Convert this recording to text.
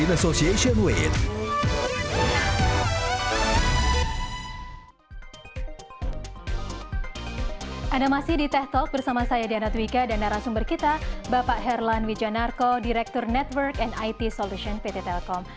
anda masih di teh talk bersama saya diana twika dan narasumber kita bapak herlan wijanarko direktur network and it solution pt telkom